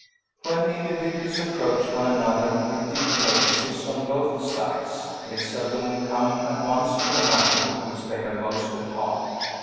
When individuals approach one another with deep purposes on both sides, they seldom come at once to the matter which they have most at heart.